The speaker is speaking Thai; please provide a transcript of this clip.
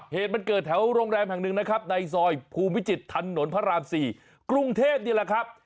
เหตุมันเกิดแถวโรงแรมแห่งหนึ่งนะครับในซอยภูมิวิจิตถนนพระราม๔กรุงเทพนี่แหละครับ